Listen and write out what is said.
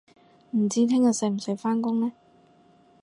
唔知聽日使唔使返工呢